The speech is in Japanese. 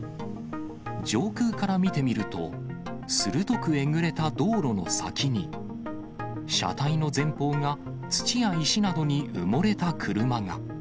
上空から見てみると、鋭くえぐれた道路の先に、車体の前方が土や石などに埋もれた車が。